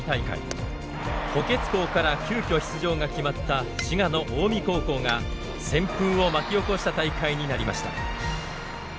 補欠校から急きょ出場が決まった滋賀の近江高校が旋風を巻き起こした大会になりました。